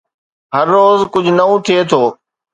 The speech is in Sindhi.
هر روز ڪجهه نئون ٿئي ٿو